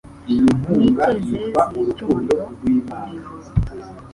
n’icyezezi cy’umuriro buri joro